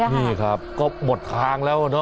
นี่ครับก็หมดทางแล้วเนาะ